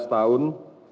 perempuan enam belas tahun